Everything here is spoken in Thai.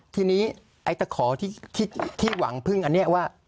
ทีนี้ไอ้ตะขอที่หวังพึ่งอันนี้ว่า